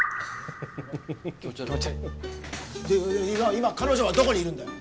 今彼女はどこにいるんだよ